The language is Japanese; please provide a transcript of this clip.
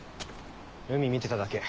海見てただけ。